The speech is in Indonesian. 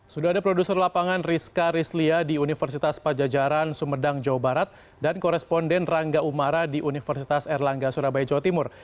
sudah ada produser lapangan rizka rizlia di universitas pajajaran sumedang jawa barat dan koresponden rangga umara di universitas erlangga surabaya jawa timur